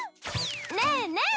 ねえねえ！